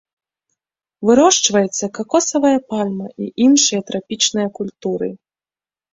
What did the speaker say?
Вырошчваецца какосавая пальма і іншыя трапічныя культуры.